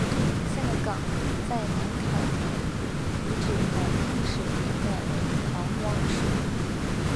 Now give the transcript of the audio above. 下岗再南坎沿遗址的历史年代为唐汪式。